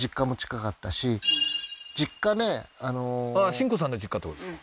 新子さんの実家ってことですか？